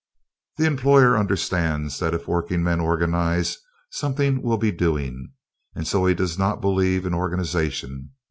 The employer understands that if workingmen organize something will be doing; and so he does not believe in organization.